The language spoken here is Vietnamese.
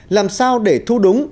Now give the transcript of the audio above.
làm sao để thu đúng